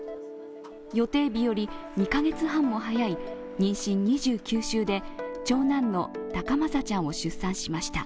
予定日より２カ月半も早い妊娠２９週で長男の、たかまさちゃんを出産しました。